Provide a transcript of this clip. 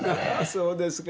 そうですか。